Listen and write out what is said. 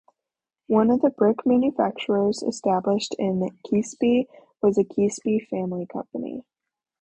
One of the brick manufacturers established in Keasbey was a Keasbey family company.